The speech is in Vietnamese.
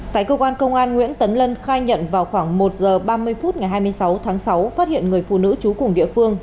tại cơ quan công an nguyễn tấn lân khai nhận vào khoảng một h ba mươi phút ngày hai mươi sáu tháng sáu phát hiện người phụ nữ trú cùng địa phương